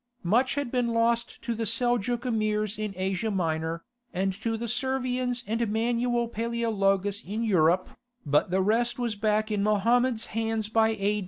Much had been lost to the Seljouk Emirs in Asia Minor, and to the Servians and Manuel Paleologus in Europe, but the rest was back in Mohammed's hands by A.